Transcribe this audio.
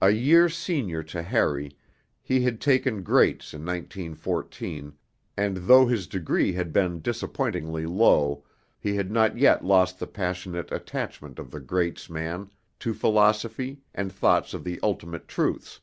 A year senior to Harry, he had taken Greats in 1914, and though his degree had been disappointingly low he had not yet lost the passionate attachment of the 'Greats' man to philosophy and thoughts of the Ultimate Truths.